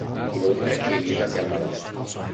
Inoltre Eliza si ammalò.